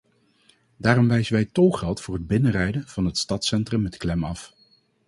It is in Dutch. Daarom wijzen wij tolgeld voor het binnenrijden van het stadscentrum met klem af!